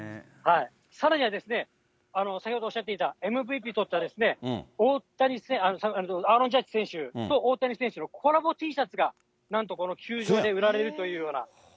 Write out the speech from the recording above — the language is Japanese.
さらには、先ほどおっしゃっていたＭＶＰ取った、アーロン・ジャッジ選手と大谷選手のコラボＴシャツが、なんとこの球場で売られるというような。